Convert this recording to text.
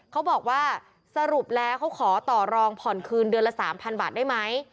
เขาบอกว่าสรุปแล้วเขาขอต่อรองผ่อนคืนเดือนละ๓๐๐บาทได้ไหม